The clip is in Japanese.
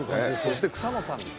そして草野さんです